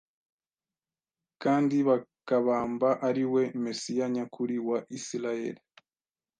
kandi bakabamba ari we Mesiya nyakuri wa Isirayeli.